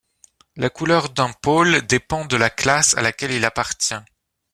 La couleur d'un pôle dépend de la classe à laquelle il appartient.